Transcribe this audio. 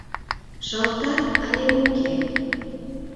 Шылта але уке?